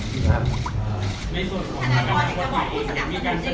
ที่บางส่วนมันอาจจะไม่พอใจ